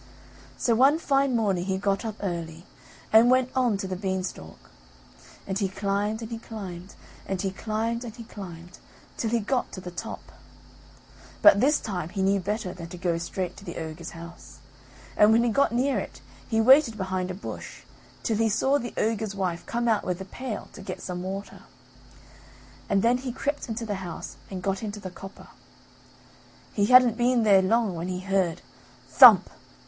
So one fine morning, he got up early, and went on to the beanstalk, and he climbed and he climbed and he climbed and he climbed till he got to the top. But this time he knew better than to go straight to the ogre's house. And when he got near it he waited behind a bush till he saw the ogre's wife come out with a pail to get some water, and then he crept into the house and got into the copper. He hadn't been there long when he heard thump!